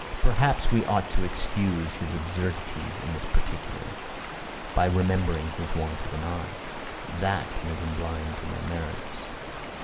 Perhaps we ought to excuse his absurdity in this particular by remembering his want of an eye. That made him blind to my merits.